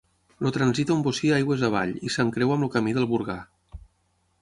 El transita un bocí aigües avall i s'encreua amb el camí del Burgar.